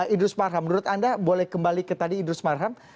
idrus marham menurut anda boleh kembali ke tadi idrus marham